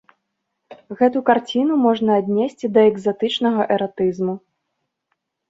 Гэту карціну можна аднесці да экзатычнага эратызму.